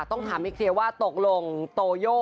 ต้องถามให้เคลียร์ว่าตกลงโตโย่